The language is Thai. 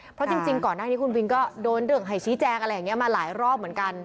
เพราะจริงก่อนหน้านี้คุณวินก็โดนเรื่องให้ชี้แจงอะไรอย่างนี้มาหลายรอบเหมือนกัน